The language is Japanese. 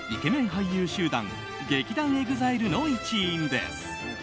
俳優集団劇団ＥＸＩＬＥの一員です。